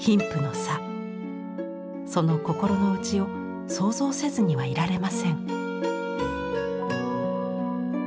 その心の内を想像せずにはいられません。